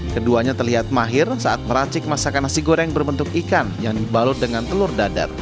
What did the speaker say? keduanya terlihat mahir saat meracik masakan nasi goreng berbentuk ikan yang dibalut dengan telur dadar